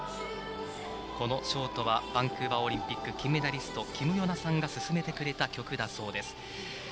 このショートはバンクーバーオリンピック金メダリスト、キム・ヨナさんが薦めてくれた曲だそうです。